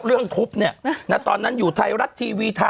เรื่องทุบเนี่ยตอนนั้นอยู่ไทยรัฐทีวี